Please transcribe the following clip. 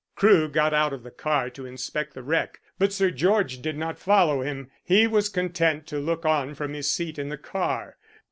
Crewe got out of the car to inspect the wreck, but Sir George did not follow him. He was content to look on from his seat in the car.